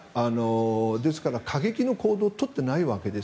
ですから過激な行動を取っていないわけです。